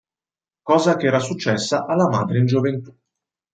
Cosa che era successa alla madre in gioventù.